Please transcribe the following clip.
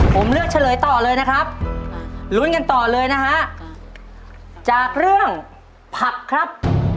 ผมเลือกเฉลยต่อเลยนะครับลุ้นกันต่อเลยนะฮะจากเรื่องผักครับ